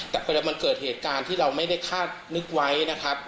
แต่พอมันเกิดเหตุการณ์ที่เราไม่ได้คาดนึกไว้นะครับ